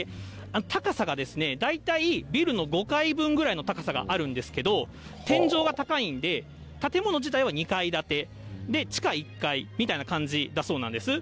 高さが大体ビルの５階分ぐらいの高さがあるんですけど、天井が高いんで、建物自体は２階建て、地下１階みたいな感じだそうなんです。